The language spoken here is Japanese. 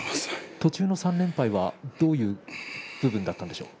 途中の３連敗はどういうことだったんですか。